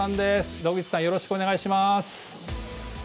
野口さん、よろしくお願いします。